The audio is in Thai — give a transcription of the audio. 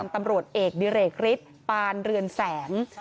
ตำรวจเอกดิเรกฤทธิ์ปานเรือนแสง